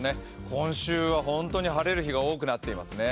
今週は本当に晴れる日が多くなっていますね。